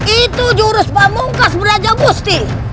itu jurus pamungkas beraja musti